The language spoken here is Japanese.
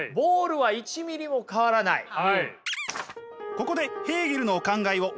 ここでヘーゲルのお考えをおさらい！